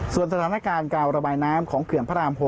ส่วนสถานการณ์การระบายน้ำของเขื่อนพระราม๖